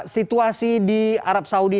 situasi di arab saudi